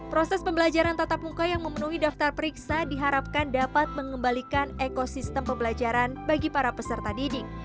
proses pembelajaran tatap muka yang memenuhi daftar periksa diharapkan dapat mengembalikan ekosistem pembelajaran bagi para peserta didik